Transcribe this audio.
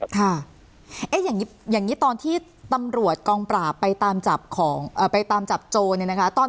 ค่ะอย่างนี้ตอนที่ตำรวจกองปราบไปตามจับของไปตามจับโจรเนี่ยนะคะ